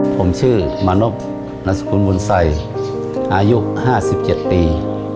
ผมชื่อมานบนัสกุลมุนไสอายุ๕๗ปี